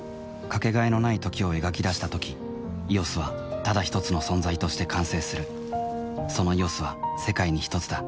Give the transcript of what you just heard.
かけがえのない「時」を描き出したとき「ＥＯＳ」はただひとつの存在として完成するその「ＥＯＳ」は世界にひとつだ